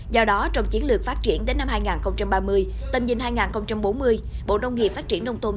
do đó trong chiến lược phát triển đến năm hai nghìn ba mươi tầm nhìn hai nghìn bốn mươi bộ nông nghiệp phát triển nông thôn